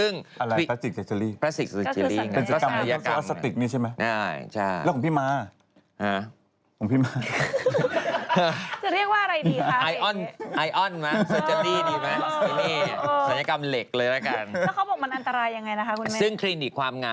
แน่นอนสิเป็นศัลยกรรมสิเธอจะบ้าเหรอจะเรียกว่าอะไร